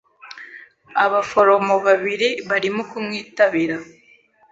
Abaforomo babiri barimo kumwitabira.